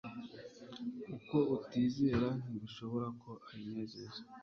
Kuko utizera ntibishoboka ko ayinezeza,